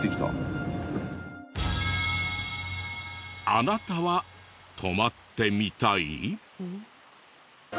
あなたは泊まってみたい？